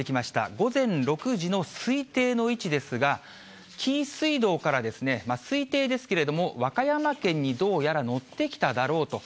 午前６時の推定の位置ですが、紀伊水道から、推定ですけれども、和歌山県にどうやら乗ってきただろうと。